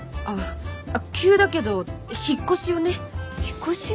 急だけど引っ越しをね。引っ越し？